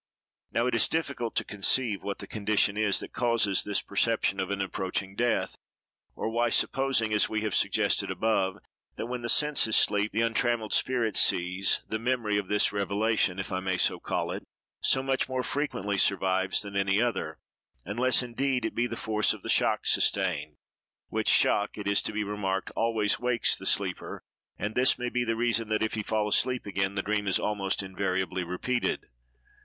Now, it is difficult to conceive what the condition is that causes this perception of an approaching death; or why, supposing, as we have suggested above, that, when the senses sleep, the untrammelled spirit sees, the memory of this revelation, if I may so call it, so much more frequently survives than any other, unless, indeed, it be the force of the shock sustained—which shock, it is to be remarked, always wakes the sleeper; and this may be the reason that, if he fall asleep again, the dream is almost invariably repeated.